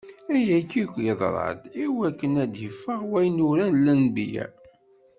Ayagi akk iḍra-d iwakken ad iffeɣ wayen uran lenbiya.